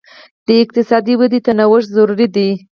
د اقتصاد ودې ته نوښت ضروري دی.